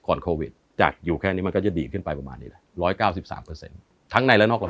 ก่อนโควิดจากอยู่แค่นี้มันก็จะดีขึ้นไปประมาณนี้แหละ๑๙๓เปอร์เซ็นต์ทั้งในและนอกระบบ